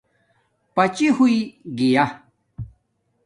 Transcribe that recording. پچی ہݸݵ گیݳ